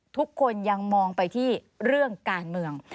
ทุกคนยังมองไปที่เรื่องการเมือง